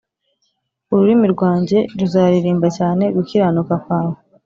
ururimi rwanjye ruzaririmba cyane gukiranuka kwawe